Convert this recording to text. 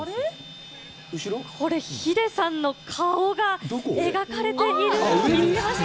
これ、ヒデさんの顔が描かれているのを見つけました。